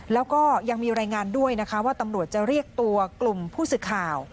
แล้วก็ยังมีรายงานด้วยนะคะว่าตำรวจจะเรียกตัวกลุ่มผู้สื่อข่าว